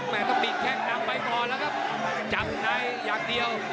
แม่ก็ปิดแค่น้ำไว้ก่อนแล้วก็จำขนายอย่างเดียว